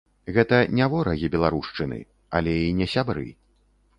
Гэта не ворагі беларушчыны, але і не сябры.